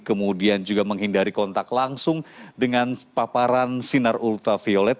kemudian juga menghindari kontak langsung dengan paparan sinar ultaviolet